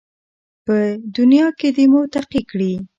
په دنیا کې دې متقي کړي